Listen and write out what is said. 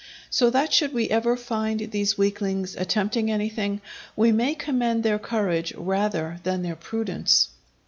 So that should we ever find these weaklings attempting anything, we may commend their courage rather than their prudence.